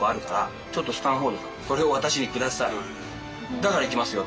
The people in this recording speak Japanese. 「だから行きますよ」と。